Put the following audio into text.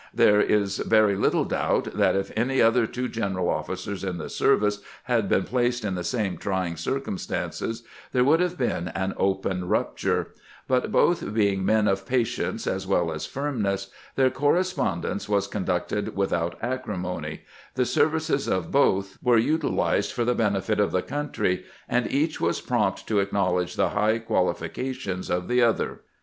There is very little doubt that if any other two general officers in the service had been placed in the same trying circumstances there would have been an open rupture; but both being men of patience as well as firmness, their correspondence was conducted without acrimony, the services of both were utilized for MAJOR GENERAt GEORGE H. THOMAS. From a photograph. THOMAS CEUSHES HOOD 353 the benefit of the country, and each was prompt to ac knowledge the high qualifications of the other.